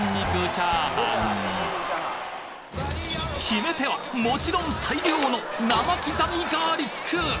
決め手はもちろん大量の生刻みガーリック